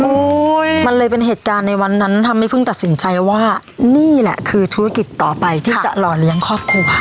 มันเลยเป็นเหตุการณ์ในวันนั้นทำให้เพิ่งตัดสินใจว่านี่แหละคือธุรกิจต่อไปที่จะหล่อเลี้ยงครอบครัว